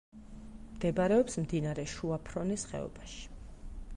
მდებარეობს მდინარე შუა ფრონეს ხეობაში.